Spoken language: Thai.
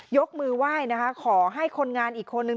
ยกมือไหว้นะคะขอให้คนงานอีกคนนึง